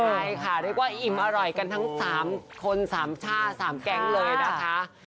ใช่ค่ะเรียกว่าอิ่มอร่อยกันทั้ง๓คน๓ช่า๓แก๊งเลยนะคะ